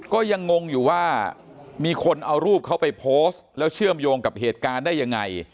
ก็ยังงงอยู่ว่ามีคนเอารูปเขาไปโพสต์แล้วเชื่อมโยงกับเหตุการณ์ได้ยังไง